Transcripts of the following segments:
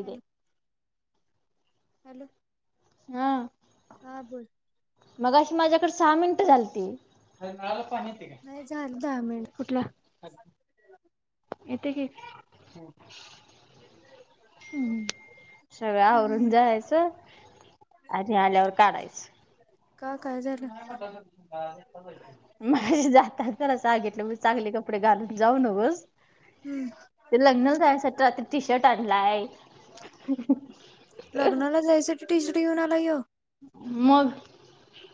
Hello hello हा हा बोल [unintelligible] [unintelligible] नाही झालं दहा मिनिट येते की हम सगळं आवरून हम्म. जायाच. आणि आल्यावर काढायचं. [unintelligible] [unintelligible] [unintelligible] हम्म ते लग्नाला जायासाठी आता टी शर्ट आणलाय. [unintelligible] लग्नाला टी जायसाठी शर्ट घेऊन आलाय ह्यो मग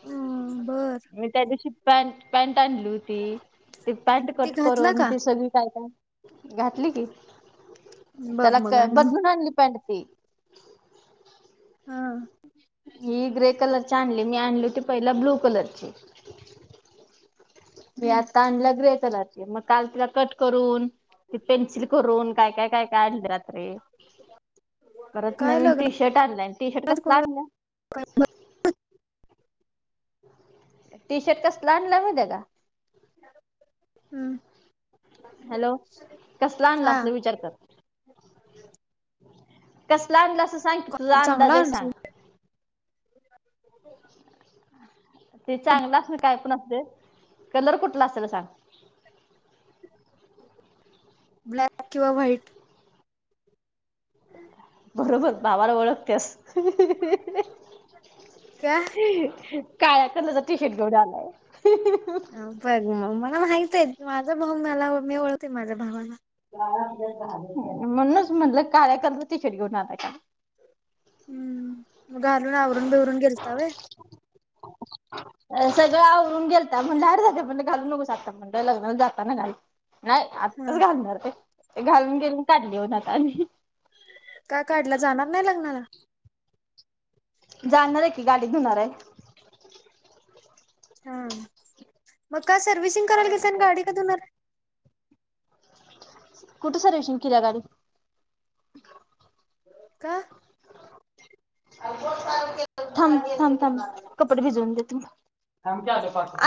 हम्म बर मी त्या दिवशी पॅन्ट पॅन्ट आणली होती. ती पॅन्ट ते कट घातला करून का ती सगळी काय काय घातली की बघ मग त्याला आणि मग बदलून आणली पॅन्ट ती. हा ही ग्रे कलरची आणली मी आणली होती, पहिला ब्लू कलरची. मी हम्म आता आणली ग्रे कलरची मग काल तिला कट करून ते पेन्सिल करून काय काय काय काय आणले रात्री. परत काय नवीन टी लग्नात शर्ट आणलाय टी शर्ट कसला कोणाला आणलाय. [unintelligible] टी शर्ट कसला आणलाय माहिताय काय? हम्म हॅलो कसला आणला हा असल विचार कर? कसला आणलं असं सांग की तुझा चांगला अंदाजे सांग? आणशील ते चांगला असुदे काय पण असुदे कलर कुठला असल सांग? ब्लॅक किंवा व्हाईट बरोबर भावाला ओळखत्यास. का काळ्या कलरचा टि शर्ट घेऊन आलाय. हा बघ मग मला माहित आहे, माझा भाऊ मला मी ओळखते माझ्या भावाला. काळा आपल्यात घालत नाहीत म्हणूनच म्हणलं काळ्या कलरचा टी शर्ट घेऊन आलाय काय. हम्म मग घालून आवरून बिवरून गेलता व्हय. सगळं आवरून गेलता म्हणल अरे दादा घालू नकू आत्ता म्हणल लग्नला जाताना घाल. हा [unintelligible] काय काढला जाणार नाही लग्नाला. जाणणार आहे की, गाडीत धुणार आहे. हा मग काय सर्वि्हसिंग करायला घेता ना गाडी का धुनार हाय? कुठं सर्व्हिशिंग किल्या गाडी. काय थांब थांब थांब कपडे भिजवून देतु.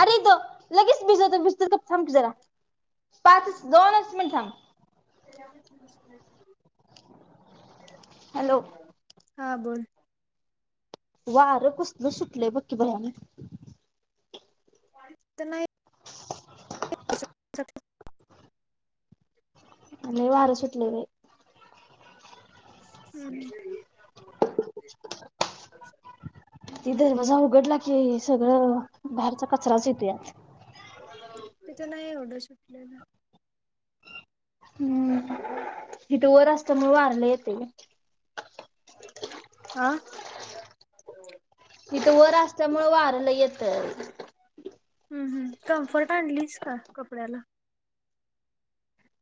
अरे तो लगेच भिजवतो, भिजतोवतो थांब कीजरा. पाच दोनच मिट थांब. हॅलो हा बोल. वारं कुसलं सुटलंय बघ की भयानक. नाही. [unintelligible] सत [unintelligible] लय आणि वार सुटले बाई. हम्म हम्म ति दरवाजा उघडला की सगळं बाहेरचा कचराच येतो या ईथ नाही एवढं सुटलेला. हम्म ईथे वर असल्यामुळे वार लंय येते. हा ईथं वर असल्यामुळे वारलं लय येत. ह् हम् कम्फर्ट आणलीच का कपड्याला?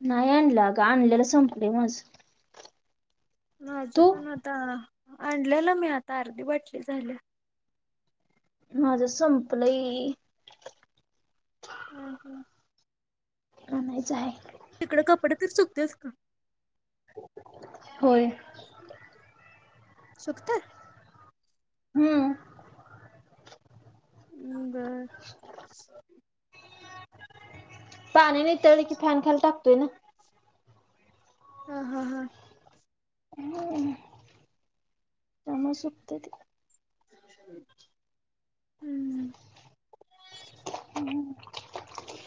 नाही आणलं अगं आणलेला संपलं माझं. माझं पण आता आणल्याला मी, आता अर्धी बाटली झाली. माझं संपलंय. हम हम आणायचं आता तिकडं कपडे तरि सुकतीलस का. होय सुखत्यात. हम बरं पाणी नीतळल कि फॅन खाली टाकतोय की. ह हा हा त्यामुळें सुकतंय. हम्म हम्म [unintelligible]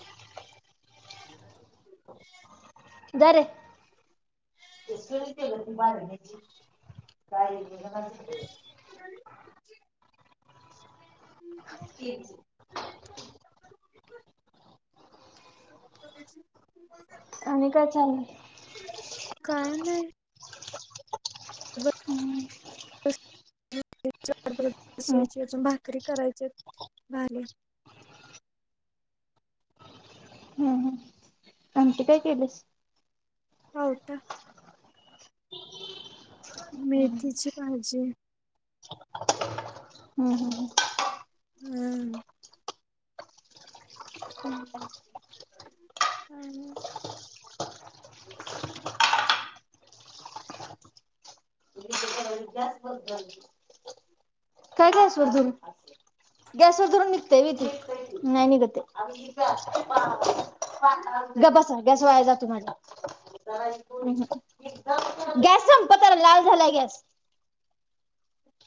ह [inaudible] दरे [unintelligible] काय मनस [unintelligible] ह [unintelligible] [inaudible] आणि काय चालंय? काण नाही. चून ब हम्म [unintelligible] भाकरी री करायचे भाजी. हम्म हम्म आणखी काय केलीस? हो का मेथीची भाजी. हम् हम्म हम्म हम् आणि [inaudible] [unintelligible] गॅस बंद कर. [unintelligible] गॅस वर धरून निघतय होय ते नाही निघतय. गप बसा गॅस वाया जातोय माझा. गॅस संपत आला लाल झालाय गॅस.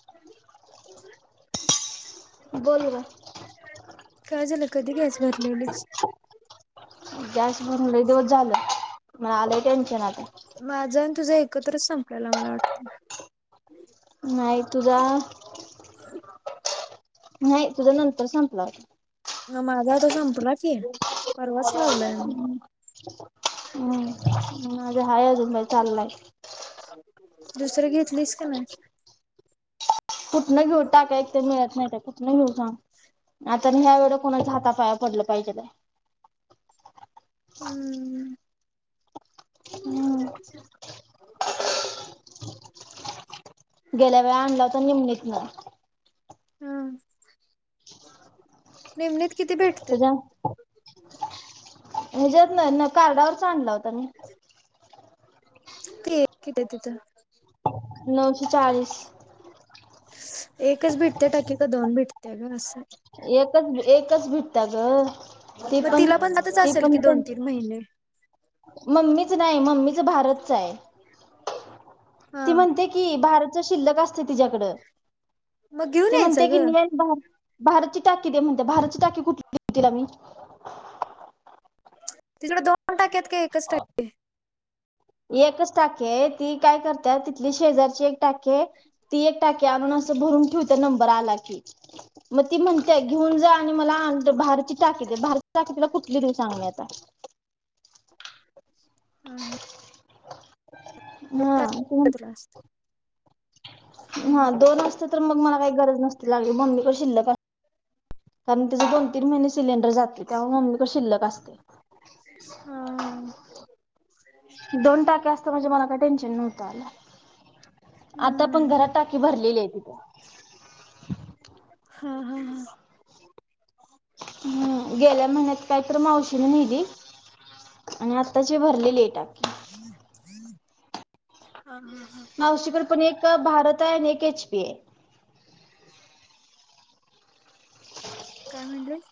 [inaudible] बोल ग काय झाल कधी गॅस भरलेलीस. गॅस भरून लय दिवस झाल मला आलय टेन्शन आता. माझां तुझा एकत्रच संपलेला मला वाटत. नाही तुझा [inaudible] नाही तुझा नंतर संपला होता. माझा आता संपला की. परवाच लावलाय आम्ही म हम्म् माझा हाय अजून चाललाय. दुसर घेतलीस का नाही? कुठन घेऊ टाक्या एक तर मिळत नाही त्या कुठन घेऊ सांग आ तर ह्या वेळे कोणाच्या हात पाया पडल पाहिजे काय हम्म हम्म गेल्या वेळ आणला होता निमलेत ना. हा नीमनेत किती भेटतेत. त्याच्या ह्याच्यात ना म्हणजे कार्डावरच आणला होता मी. ते किती [unintelligible] तिथं नऊशे चाळीस एकच भेटते टाकी का दोन भेटते ग अस? एकच एकच भेटते ग ती पण ती पण त्यांची पहिले. मम्मीच नाही मम्मीच भारतचा आहे. हा ती म्हणते की भारतचा शिल्लक असतय तिच्याकड. मग घेऊन ती म्हणते यायचं की ग भ भारतची टाकी दे म्हणते भारतची टाकी कुठली देऊ तील मी. तिजाकडे दोन टाक्या आहेत का एकच टाक [inaudible] एकच टाकी आहे ती काय करत्यात तिथली शेजारची एक टाकी आहे ती एक टाकी आणून अस भरून ठेवते. तिचा नंबर आला की मग ती म्हणते घेऊन जा आणि मला आण भारत ताकीे भारच्या टाकीला कुठली देऊ सांग आता? ह हां हां तुला असत हा दोन असते तर मग मला काही गरज नसती लागली मम्मीकड शिल्लक असते कारण तिचं दोन तीन महिने सिलेंडर जाते त्यामुळं मम्मीकडं शिल्लक असतय हा हा दोन टाक्या असत्या म्हणजे मला काय टेन्शन नव्हतं आलं आता पण घरात टाकी भरलेली आहे ती अ हा हा हा हम्म गेल्या महिन्यात काय तर मावशीनं न्हीली आणि आत्ताची भरलेली हाय टाकी हा ह हा मावशीकडं पण एक भारत हाय आणि एक एच पी हाय काय म्हणलीस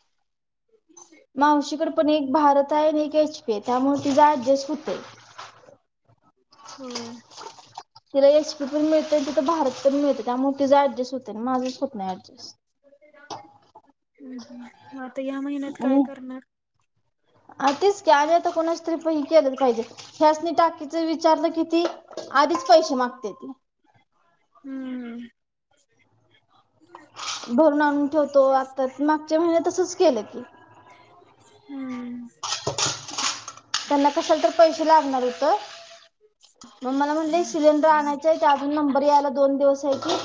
मावशीकडं पण एक भारत हाय आणि एक एच पी हाय त्यामुळं तिजं ऍडजस्ट हुतय अ होय तिला एच पी पण मिळतंय तिथं भारत पण मिळतंय त्यामुळं तिजं ऍडजस होतय न माझंच होत नाय ऍडजस हम्म हम्म म आता ह्या महिन्यात काय आणि करणार आ तिच की आणि आता कोणाची तरी प ही केलंच पाहिजे ह्यासनी टाकीचं विचारलं कि ती आधीच पैशे मागत्याती हम्म भरून आणून ठेवतो आत्ता मागच्या महिन्यात तसच केलं की हम्म त्यांना कशाला तर पैसे लागणार होतं मग मला म्हणले सिलेंडर आणायचाय ते अजून नंबर यायला दोन दिवस हायती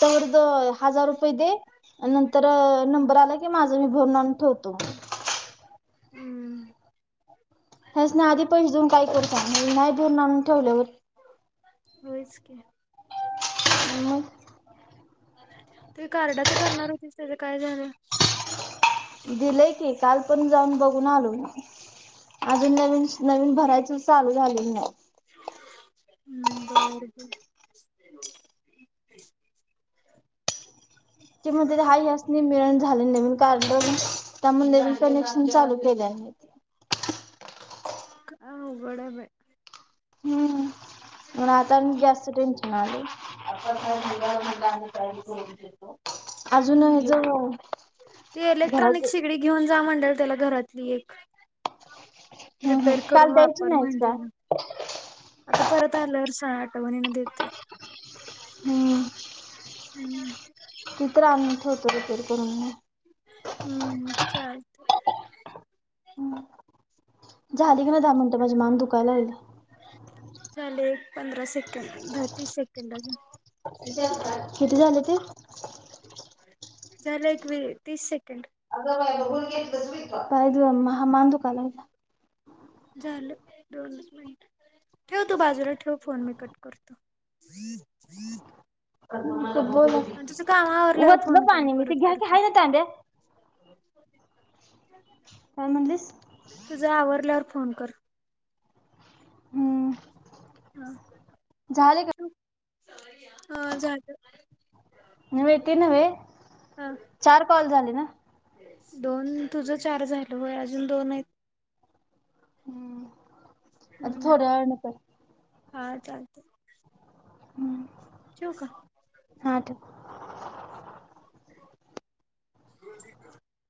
तवर द हजार रुपय दे अन् नंतरं नंबर आला की माझं मी भरून आणून ठेव तो हम्म हेस्नि आधी पैसे देऊन काय करू सांग मग नाही भरून आणून ठेवल्यावर होयच की अन मग ते कार्डाचं करणार होतीस तेजं काय झालं दिलंय की काल पण जाऊन बघून आलो अजून नवीन नवीन भरायचं चालू झालेलं नाय हम्म बरं बर ती म्हणत्याती हाय ह्यास्नी मिळंणा झालंय नवीन कार्ड त्यामुळं नवीन कनेक्शन चालू केलंय आम्ही ते अवघड हाय बाय हम्म अन आता हम्म गॅसचं टेन्शन आलंय अपर्णा निघल म्हणलं आम्ही तयारी करून देतो अजून हेजं ती इलेक्ट्रॉनिक शिगडी घेऊन जावा म्हणलेलं त्याला घरातली एक हम्म हम्म रिपेअर करून काल द्यायची वापर नाहीच का म्हणलेलं आता परत आल्यावर सांग आठवणीनं देते हम्म हम्म ती तरी आणून ठेवते रिपेअर करून हम्म! ! चा लत हम! झाली की ना? दहा मिनटं माझी मान दुखायला गेली चाले एक पंधरा सेकंड दहा तीस सेकंद अजून किती झाले ते? झालं एक व तीस सेकंड आगग बघुन घेतलस व तुआ! काय महा माांधूकालाला झालं दोनच मिनंट ठेव तू! बाजूला ठेव फोन मी, कट करतो. बत [inaudible] [inaudible] [unintelligible] अनतुझं! कामावरल्यावर फोन कर परत घ्या कर की तो हाय [inaudible] ना [inaudible] तांब्या काय [unintelligible] काय म्हणलीस? तुझा आवरल्यावर फोन कर हम्म! हा झाले का? ठेवू? हा! झालं! ! नव्हे ते नव्हे हा चार कॉल झाले ना? दोन तुझं, चार झालं वय! अजून दोन आहेत. हम्म! ! हम्म! हा चालत य हमं! ठेऊ का? हा ठेव! ! [inaudible] [inaudible] [unintelligible]